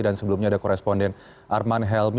dan sebelumnya ada koresponden arman helmi